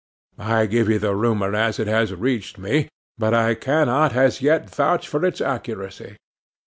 I give you the rumour as it has reached me; but I cannot, as yet, vouch for its accuracy.